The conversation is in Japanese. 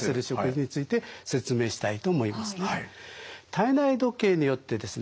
体内時計によってですね